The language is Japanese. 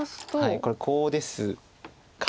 これコウですか？